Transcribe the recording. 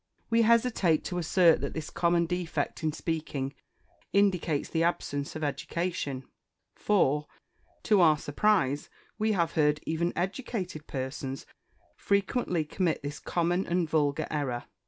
We hesitate to assert that this common defect in speaking indicates the absence of education for, to our surprise, we have heard even educated persons frequently commit this common, and vulgar error.